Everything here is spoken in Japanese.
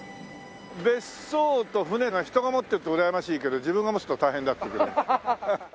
別荘と船が人が持ってるとうらやましいけど自分が持つと大変だっていうけど。